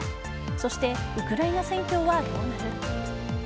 そしてウクライナ占拠はどうなる。